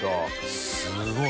すごい。